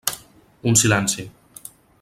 Un silenci.